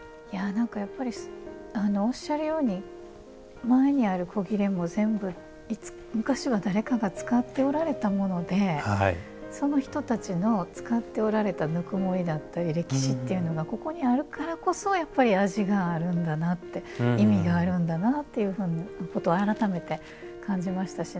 やっぱりおっしゃるように前にある古裂も全部昔は誰かが使っておられたものでその人たちの使っておられたぬくもりだったり歴史っていうのがここにあるからこそやっぱり味があるんだなって意味があるんだなっていうふうなことを改めて感じましたし